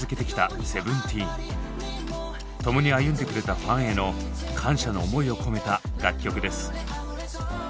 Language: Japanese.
共に歩んでくれたファンヘの感謝の思いを込めた楽曲です。